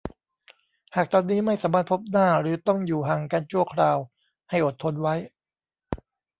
หากตอนนี้ไม่สามารถพบหน้าหรือต้องอยู่ห่างกันชั่วคราวให้อดทนไว้